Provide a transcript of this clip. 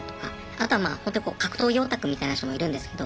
あとはまあ格闘技オタクみたいな人もいるんですけど。